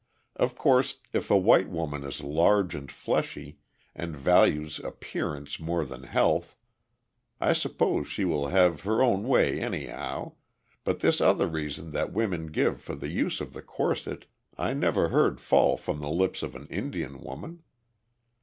Of course, if a white woman is large and fleshy, and values appearance more than health, I suppose she will have her own way anyhow, but this other reason that women give for the use of the corset I never heard fall from the lips of an Indian woman.